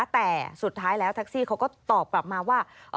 แต่สุดท้ายแล้วแท็กซี่เขาก็ตอบกลับมาว่า